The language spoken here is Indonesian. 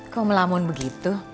kok melamun begitu